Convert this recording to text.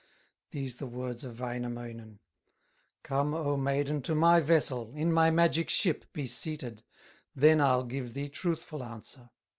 These the words of Wainamoinen: "Come, O maiden, to my vessel, In my magic ship be seated, Then I'll give thee truthful answer."